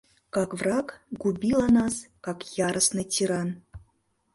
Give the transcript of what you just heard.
Как враг, губила нас, как яростный тиран!